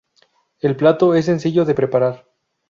El plato es sencillo de preparar.